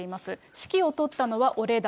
指揮を執ったのは俺だ。